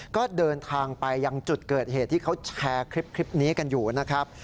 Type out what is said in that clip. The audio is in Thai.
ก็เดินทางไปยังจุดเกิดเหตุที่เขาแชร์คลิปนี้กันอยู่นะครับ